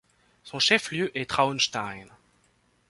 Son chef lieu est Traunstein.